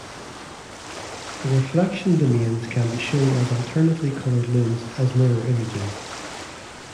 The reflection domains can be shown as alternately colored lunes as mirror images.